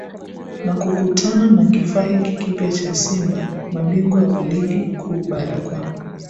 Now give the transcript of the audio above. na kukutana na kifaa hiki kipya cha Simba Mabingwa wa Ligi Kuu Bara kwa